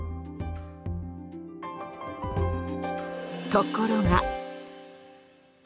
ところが。